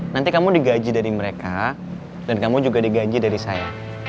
nanti kamu digaji dari mereka dan kamu juga digaji dari saya